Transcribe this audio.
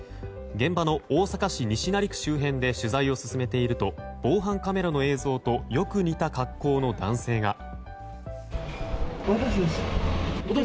現場の大阪市西成区周辺で取材を進めていると防犯カメラの映像とよく似た格好の男性が。